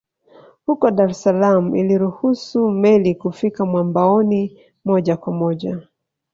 Huko Dar es Salaam iliruhusu meli kufika mwambaoni moja kwa moja